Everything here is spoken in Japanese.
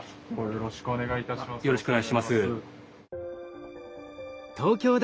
よろしくお願いします。